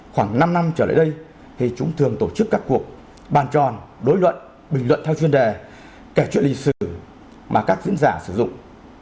khoảng năm năm trở lại đây thì chúng thường tổ chức các cuộc bàn tròn đối luận bình luận theo chuyên đề kể chuyện lịch sử mà các diễn giả sử dụng